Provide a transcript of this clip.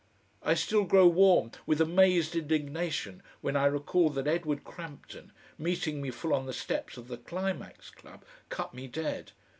I still grow warm with amazed indignation when I recall that Edward Crampton, meeting me full on the steps of the Climax Club, cut me dead.